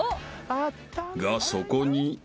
［がそこに］